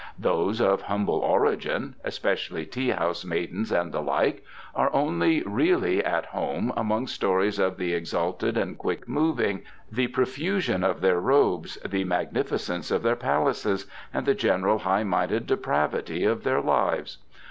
Those of humble origin, especially tea house maidens and the like, are only really at home among stories of the exalted and quick moving, the profusion of their robes, the magnificence of their palaces, and the general high minded depravity of their lives.